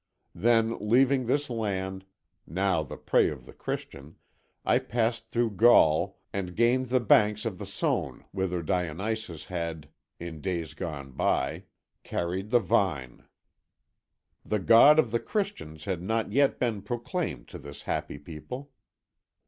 Then leaving this land, now the prey of the Christian, I passed through Gaul and gained the banks of the Saône, whither Dionysus had, in days gone by, carried the vine. The god of the Christians had not yet been proclaimed to this happy people.